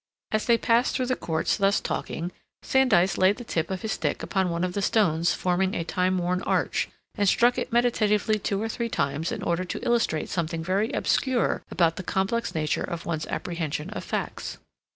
As they passed through the courts thus talking, Sandys laid the tip of his stick upon one of the stones forming a time worn arch, and struck it meditatively two or three times in order to illustrate something very obscure about the complex nature of one's apprehension of facts.